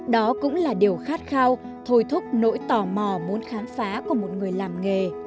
đó cũng là điều khát khao thôi thúc nỗi tò mò muốn khám phá của một người làm nghề